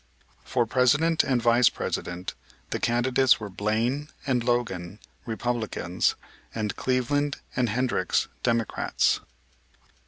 For President and Vice President the candidates were Blaine and Logan, Republicans, and Cleveland and Hendricks, Democrats.